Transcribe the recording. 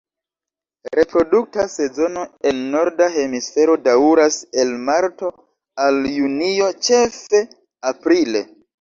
Reprodukta sezono en norda hemisfero daŭras el marto al junio, ĉefe aprile.